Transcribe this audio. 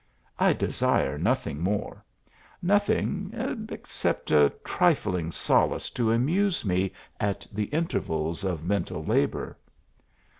I desire nothing more, nothing, except a trilling solace to amuse me at the intervals of mental labour."